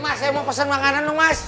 mas saya mau pesen makanan dong mas